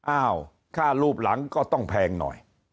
อ้าวค่ารูปหลังก็ต้องแพงหน่อย